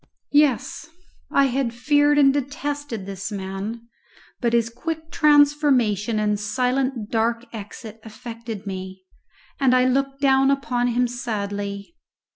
Yes! I had feared and detested this man, but his quick transformation and silent dark exit affected me, and I looked down upon him sadly.